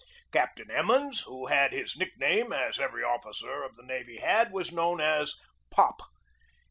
Captain Emmons, who had his nickname, as every officer of the navy had, was known as "Pop."